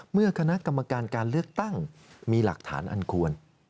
เมื่อคณะกรรมการการเลือกตั้งมีหลักฐานอันควร